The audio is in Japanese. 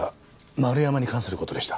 丸山に関する事でした。